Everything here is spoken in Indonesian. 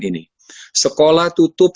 ini sekolah tutup